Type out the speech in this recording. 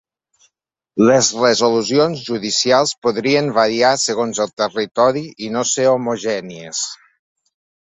Les resolucions judicials podrien variar segons el territori i no ser homogènies.